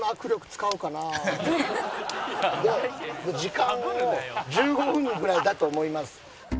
時間を１５分ぐらいだと思います。